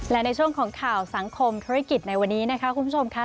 และในช่วงของข่าวสังคมธุรกิจในวันนี้นะคะคุณผู้ชมค่ะ